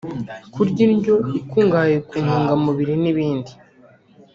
kurya indyo ikungahaye ku ntungamubiri n’ibindi